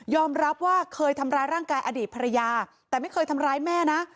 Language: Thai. รับว่าเคยทำร้ายร่างกายอดีตภรรยาแต่ไม่เคยทำร้ายแม่นะ